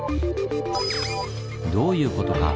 どういうことか？